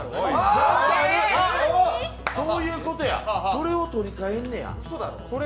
それを取り替えんねや。